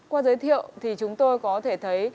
qua giới thiệu thì chúng tôi có thể thấy